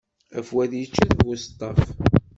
Afwad yečča-t buseṭṭaf.